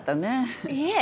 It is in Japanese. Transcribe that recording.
いえ。